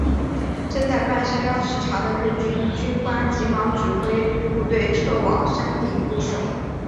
正在半山腰视察的日军军官急忙指挥部队撤往山顶固守。